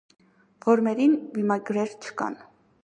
Որմերին վիմագրեր չկան։